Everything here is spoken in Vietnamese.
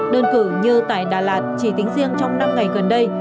đơn cử như tại đà lạt chỉ tính riêng trong năm ngày gần đây